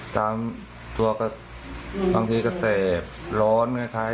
ตามตัวก็บางทีก็แสบร้อนคล้าย